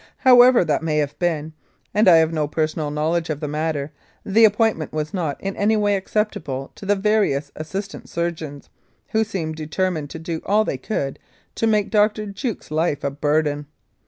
However that may have been, and I have no personal knowledge of the matter, the appointment was not in any way acceptable to the various assistant surgeons, who seemed determined to do all they could to make Dr. Jukes's life a burden.